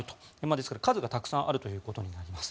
ですから、数がたくさんあるということになります。